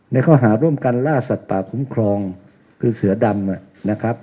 ในข้อหาร่วมกันล่าสัตว์ป่าคุ้มครองคือเสือดำนะครับ